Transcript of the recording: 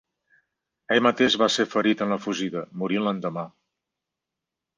Ell mateix va ser ferit en la fugida, morint l'endemà.